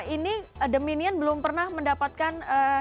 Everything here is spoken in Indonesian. ini dominion belum pernah mendapatkan